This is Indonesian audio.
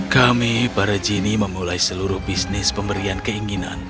kami para gini memulai seluruh bisnis pemberian keinginan